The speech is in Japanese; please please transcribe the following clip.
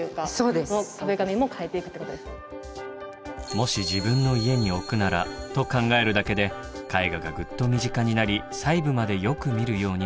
もし自分の家に置くならと考えるだけで絵画がぐっと身近になり細部までよく見るようになる。